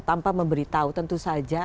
tanpa memberitahu tentu saja